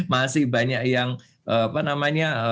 masih banyak yang apa namanya